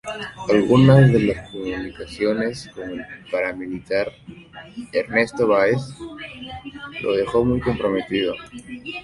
Algunas de las comunicaciones con el paramilitar 'Ernesto Báez' lo dejó muy comprometido.